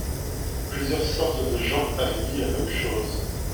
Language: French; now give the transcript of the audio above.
Plusieurs sortes de gens avaient dis la même chose.